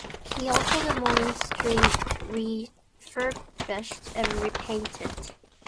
He also had the monastery refurbished and repainted.